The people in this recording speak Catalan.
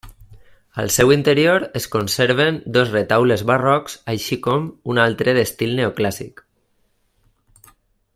Al seu interior es conserven dos retaules barrocs així com un altre d'estil neoclàssic.